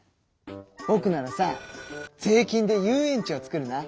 ぼくならさ税金で遊園地を作るな！